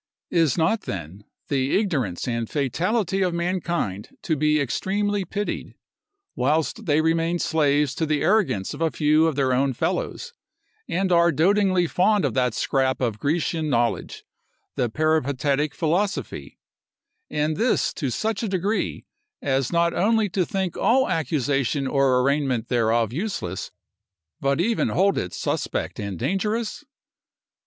Is not, then, the ignorance and fatality of mankind to be extremely pitied, whilst they remain slaves to the arrogance of a few of their own fellows, and are dotingly fond of that scrap of Grecian knowledge, the Peripatetic philosophy; and this to such a degree, as not only to think all accusation or arraignment thereof useless, but even hold it suspect and dangerous?